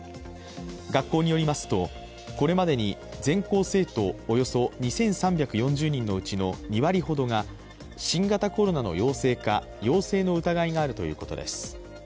学校によりますとこれまでに全校生徒およそ２３４０人のうちの２割ほどが新型コロナの陽性か陽性の疑いがあるということです。